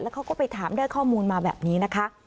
เขาก็ไปถามได้ข้อมูลมาแบบนี้นะคะ